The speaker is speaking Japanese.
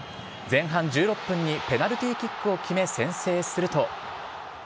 前半１６分にペナルティーキックを決め、先制すると。